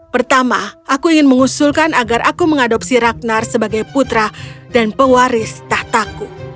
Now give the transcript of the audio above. pertama aku ingin mengusulkan agar aku mengadopsi ragnar sebagai putra dan pewaris tahtaku